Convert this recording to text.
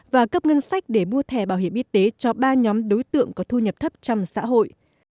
và cấp ngân sách để mua thẻ bảo hiểm y tế cho ba nhóm đối tượng có thu nhập thấp trong xã hội